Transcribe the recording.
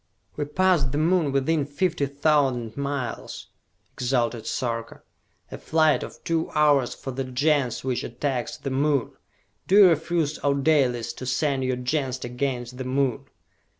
"We pass the Moon within fifty thousand miles!" exulted Sarka. "A flight of two hours for the Gens which attacks the Moon! Do you refuse, O Dalis, to send your Gens against the Moon?"